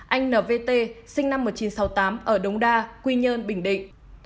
anh n v t sinh năm một nghìn chín trăm sáu mươi tám ở đống đa quy nhơn bình định